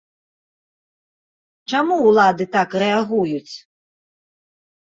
Чаму ўлады так рэагуюць?